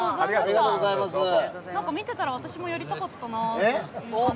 見ていたら、私もやりたかったな。